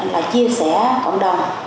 là chia sẻ cộng đồng